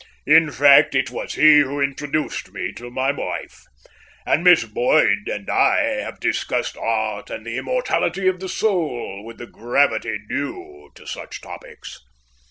"In fact, it was he who introduced me to my wife. And Miss Boyd and I have discussed Art and the Immortality of the Soul with the gravity due to such topics."